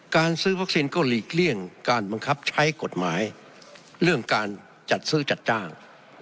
การซื้อวัคซีนก็หลีกเลี่ยงการบังคับใช้กฎหมายเรื่องการจัดซื้อจัดจ้าง